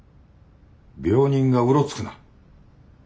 病人がうろつくな。